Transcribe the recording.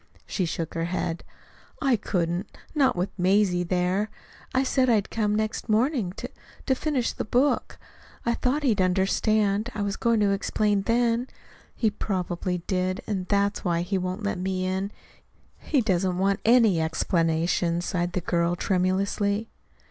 She shook her head. "I couldn't not with Mazie there. I said I'd come the next morning to to finish the book. I thought he'd understand I was going to explain then. He probably did and that's why he won't let me in. He doesn't want any explanations," sighed the girl tremulously.